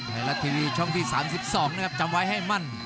ไทยรัฐทีวีช่องที่๓๒นะครับจำไว้ให้มั่น